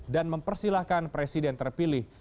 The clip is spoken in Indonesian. dan mempersilahkan presiden terpilih